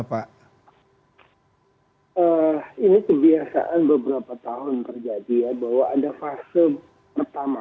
ini kebiasaan beberapa tahun terjadi ya bahwa ada fase pertama